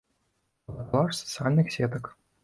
Фотакалаж з сацыяльных сетак.